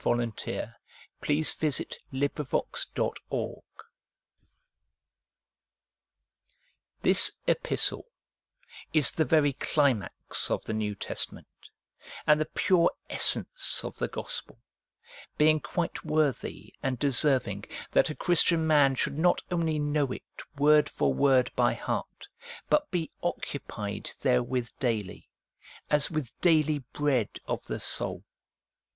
II LUTHER'S PROLOGUE TO THE EPISTLE TO THE ROMANS This epistle is the very climax of the New Testament, and the pure essence of the gospel, being quite worthy and deserving that a Christian man should not only know it word for word by heart, but be occupied therewith daily, as with daily bread of the soul.